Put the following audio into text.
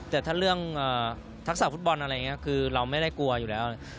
แต่ถ้าเรื่องทักษะฟุตบอลเราไม่ได้กลัวอยู่แล้ว